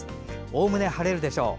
おおむね晴れるでしょう。